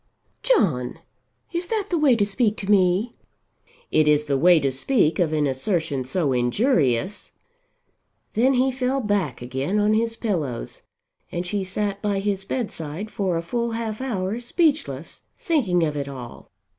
"John, is that the way to speak to me?" "It is the way to speak of an assertion so injurious." Then he fell back again on his pillows and she sat by his bedside for a full half hour speechless, thinking of it all.